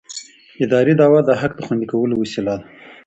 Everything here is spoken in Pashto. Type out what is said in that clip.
اداري دعوه د حق د خوندي کولو وسیله ده.